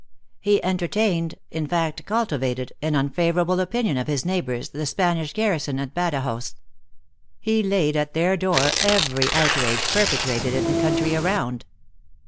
He entertained in fact, cul tivated an unfavorable opinion of his neighbors, the Spanish garrison of Badajoz. He laid at their door every outrage perpetrated in the country around.